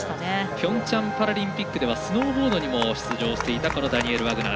ピョンチャンパラリンピックではスノーボードにも出場していたダニエル・ワグナー。